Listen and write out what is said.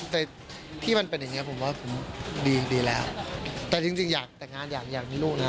แต่ที่มันเป็นอย่างเงี้ผมว่าผมดีดีแล้วแต่จริงจริงอยากแต่งงานอยากอยากมีลูกนะ